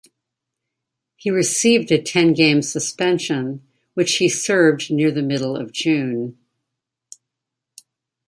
He received a ten-game suspension, which he served near the middle of June.